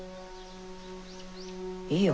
いいよ。